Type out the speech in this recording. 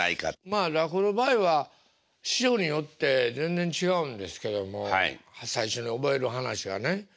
まあ落語の場合は師匠によって全然違うんですけども最初に覚える噺はね。